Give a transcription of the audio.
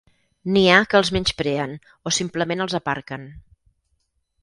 N'hi ha que els menyspreen o simplement els aparquen.